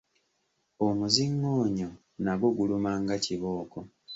Omuzingoonyo nagwo guluma nga kibooko.